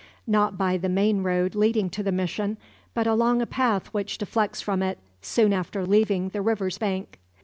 Not by the main road leading to the mission, but along a path which deflects from it soon after leaving the river's bank.